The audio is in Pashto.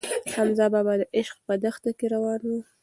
حمزه بابا د عشق په دښته کې روان و.